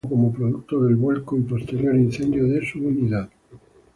Su muerte se produjo como producto del vuelco y posterior incendio de su unidad.